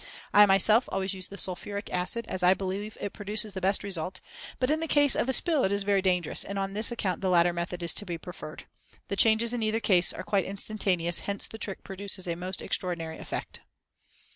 I myself always use the sulphuric acid, as I believe it produces the best result, but in the case of a spill it is very dangerous, and on this account the latter method is to be preferred. The changes, in either case, are quite instantaneous, hence the trick produces a most extraordinary effect.